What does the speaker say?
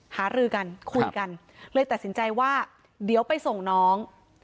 หารือกันคุยกันเลยตัดสินใจว่าเดี๋ยวไปส่งน้อง